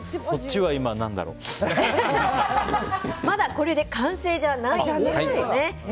まだこれで完成じゃないんですよね。